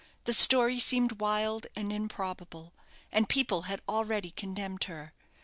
The story seemed wild and improbable, and people had already condemned her.